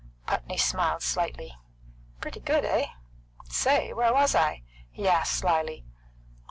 Putney smiled slightly. "Pretty good, eh? Say, where was I?" he asked slyly.